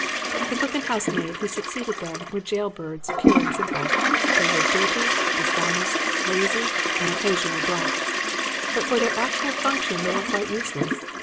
"The cook and housemaid who succeeded them were jail birds pure and simple. They were dirty, dishonest, lazy and occasionally drunk. But for their actual function they were quite useless.